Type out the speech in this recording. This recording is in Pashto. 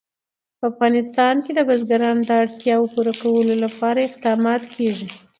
په افغانستان کې د بزګان د اړتیاوو پوره کولو لپاره اقدامات کېږي.